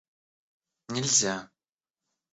нельзя